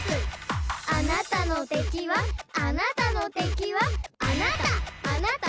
あなたの敵はあなたの敵はあなたあなた！